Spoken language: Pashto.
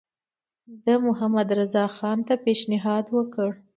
ده محمدرضاخان ته پېشنهاد وکړ.